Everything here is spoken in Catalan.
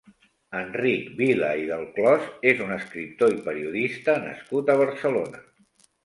Enric Vila i Delclòs és un escriptor i periodista nascut a Barcelona.